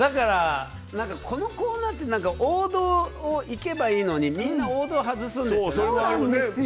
このコーナーって王道をいけばいいのにみんな王道を外すんですよ。